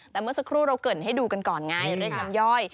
แต่เมื่อสักครู่เราเกิดให้ดูกันก่อนไงเรื่องน้ำย่อย